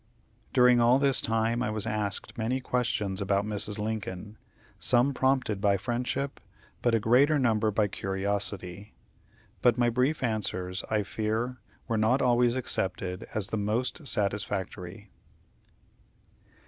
During all this time I was asked many questions about Mrs. Lincoln, some prompted by friendship, but a greater number by curiosity; but my brief answers, I fear, were not always accepted as the most satisfactory.